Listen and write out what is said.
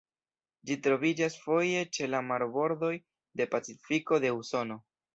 Ĝi troviĝas foje ĉe la marbordoj de Pacifiko de Usono.